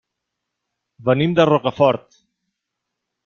Venim de Rocafort.